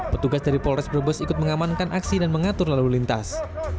petugas dari polres brebes ikut mengamankan aksi dan mengatur lalu lintas